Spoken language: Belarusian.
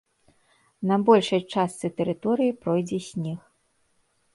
На большай частцы тэрыторыі пройдзе снег.